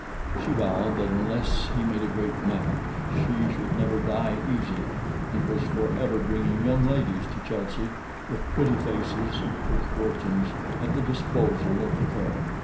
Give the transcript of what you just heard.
She vowed that unless he made a great match, she should never die easy, and was for ever bringing young ladies to Chelsey, with pretty faces and pretty fortunes, at the disposal of the Colonel.